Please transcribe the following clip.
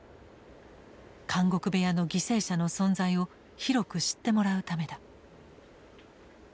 「監獄部屋」の犠牲者の存在を広く知ってもらうためだ。